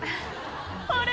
「あれ？